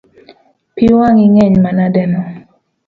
Pi wang’i ngeny manadeno?